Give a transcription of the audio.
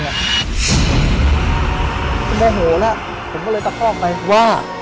ก็ไม่โหลละผมก็เลยตะพอกไปว่า